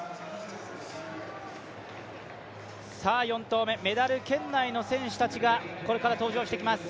４投目、メダル圏内の選手たちがこれから登場してきます。